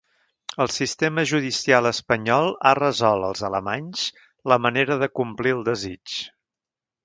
El sistema judicial espanyol ha resolt als alemanys la manera de complir el desig.